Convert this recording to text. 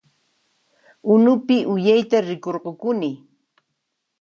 Unupi uyayta rikurukuni